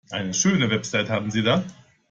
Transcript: Eine schöne Website haben Sie da.